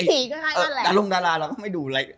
เราลงดาราไม่ดู